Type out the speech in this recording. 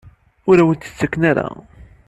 Ur awen-tt-id-ttaken ara?